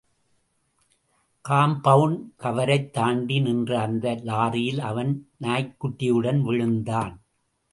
Compound கவரைத் தாண்டி நின்ற அந்த லாரியில் அவன் நாய்க்குட்டியுடன் விழுந்தான்.